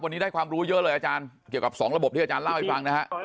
วันนี้ได้ความรู้เยอะเลยอาจารย์เกี่ยวกับ๒ระบบที่อาจารย์เล่าให้ฟังนะฮะ